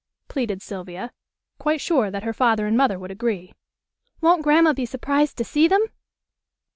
pleaded Sylvia, quite sure that her father and mother would agree. "Won't Grandma be surprised to see them?"